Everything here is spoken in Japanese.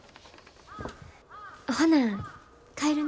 ほな帰るな。